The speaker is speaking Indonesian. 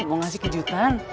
mau ngasih kejutan